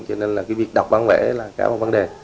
cho nên là cái việc đọc bán vẽ là cả một vấn đề